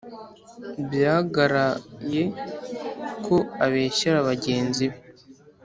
byagaraye ko abeshyera bagenzi be